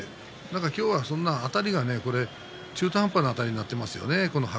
今日はあたりが中途半端になっていますね